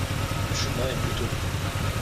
Le chemin est plutôt long.